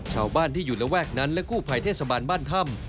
ชาวบ้านที่อยู่ระแวกนั้นและกู้ภัยเทศบาลบ้านถ้ำ